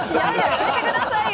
やめてくださいよ！